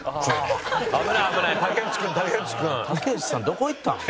「どこ行ったの？」